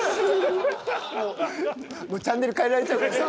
もうチャンネル変えられちゃうからね。